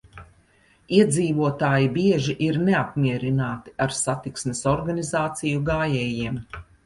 Iedzīvotāji bieži ir neapmierināti ar satiksmes organizāciju gājējiem.